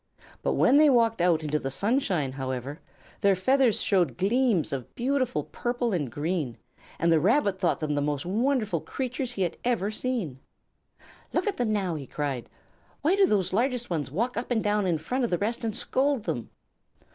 When they walked out into the sunshine, however, their feathers showed gleams of beautiful purple and green, and the Rabbit thought them the most wonderful great creatures he had ever seen. "Look at them now!" he cried. "Why do those largest ones walk up and down in front of the rest and scold them?"